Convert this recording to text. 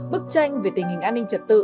bức tranh về tình hình an ninh trật tự